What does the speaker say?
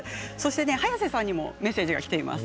早瀬さんにもメッセージがきています。